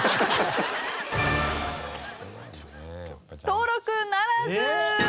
登録ならず。